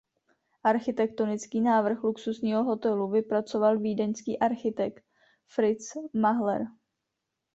Architektonický návrh luxusního hotelu vypracoval vídeňský architekt Fritz Mahler.